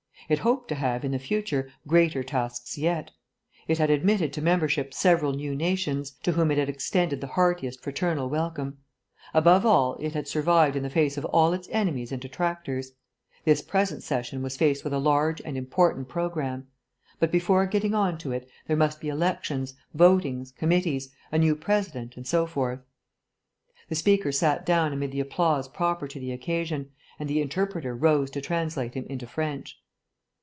It hoped to have, in the future, greater tasks yet; ... it had admitted to membership several new nations, to whom it had extended the heartiest fraternal welcome; ... above all it had survived in the face of all its enemies and detractors.... This present session was faced with a large and important programme. But before getting on to it there must be elections, votings, committees, a new President, and so forth. The speaker sat down amid the applause proper to the occasion, and the interpreter rose to translate him into French.